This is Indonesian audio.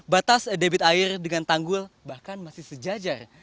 batas debit air dengan tanggul bahkan masih sejajar